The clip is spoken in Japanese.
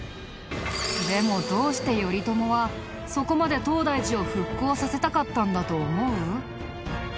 でもどうして頼朝はそこまで東大寺を復興させたかったんだと思う？